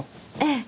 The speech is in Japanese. ええ。